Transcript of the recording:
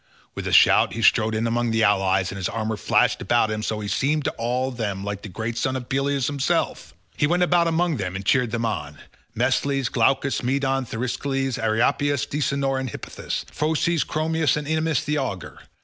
With a shout he strode in among the allies, and his armour flashed about him so that he seemed to all of them like the great son of Peleus himself. He went about among them and cheered them on—Mesthles, Glaucus, Medon, Thersilochus, Asteropaeus, Deisenor and Hippothous, Phorcys, Chromius and Ennomus the augur.